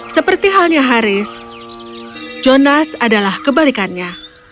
seperti halnya haris jonas adalah kebalikannya